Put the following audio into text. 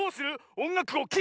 おんがくをき！